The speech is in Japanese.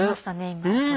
今。